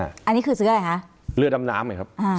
อันนี้คือซื้ออะไรฮะเรือดำน้ำเนี่ยครับอ่า